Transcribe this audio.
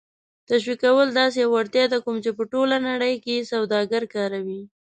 تشویقول داسې وړتیا ده کوم چې په ټوله نړۍ کې سوداګر کاروي.